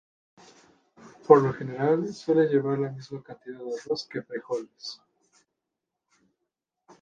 Por lo general, suele llevar la misma cantidad de arroz que de frijoles.